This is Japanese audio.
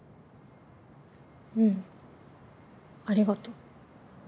うんありがとう。